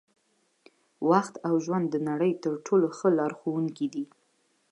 وخت او ژوند د نړۍ تر ټولو ښه لارښوونکي دي.